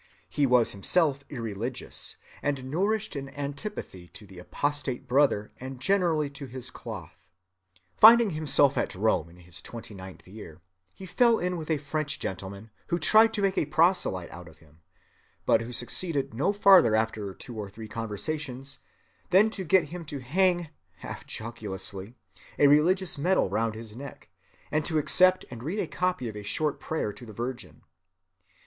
He was himself irreligious, and nourished an antipathy to the apostate brother and generally to his "cloth." Finding himself at Rome in his twenty‐ninth year, he fell in with a French gentleman who tried to make a proselyte of him, but who succeeded no farther after two or three conversations than to get him to hang (half jocosely) a religious medal round his neck, and to accept and read a copy of a short prayer to the Virgin.